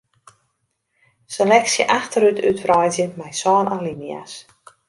Seleksje achterút útwreidzje mei sân alinea's.